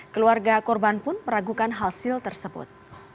keluarga korban pun meragukan hasil tersebut